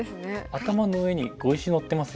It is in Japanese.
頭の上に碁石のってます？